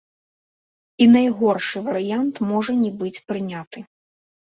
І найгоршы варыянт можа не быць прыняты.